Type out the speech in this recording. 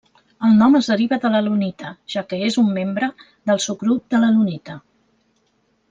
El nom es deriva de l'alunita, ja que és un membre del subgrup de l'alunita.